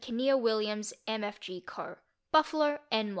Kinnear Williams Mfg. Co., Buffalo, N.